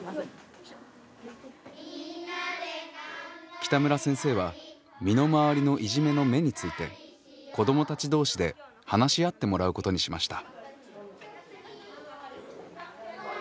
北村先生は身の回りのいじめの芽について子どもたち同士で話し合ってもらうことにしました。